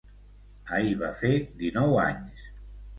Ahir va fer dinou anys.